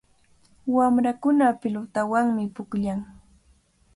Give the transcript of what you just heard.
Wamrakuna pilutawanmi pukllan.